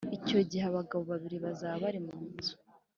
Icyo gihe abagabo babiri bazaba bari mu nzu